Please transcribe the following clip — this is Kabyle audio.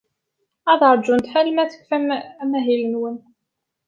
Ad ṛjunt arma tfukem amahil-nwen.